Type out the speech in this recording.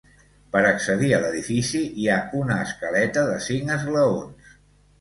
Per accedir a l’edifici, hi ha una escaleta de cinc esglaons.